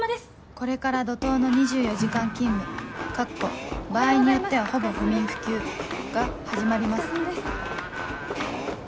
これから怒涛の２４時間勤務カッコ場合によってはほぼ不眠不休が始まります